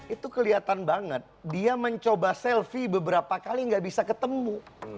itu kelihatan banget dia mencoba selfie beberapa kali gak bisa ketemu